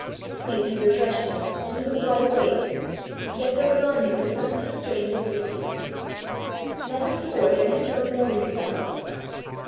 Sleep had refreshed him, and he was wide awake, yet there was on him the sense of a strange existence. Never before had he so known himself!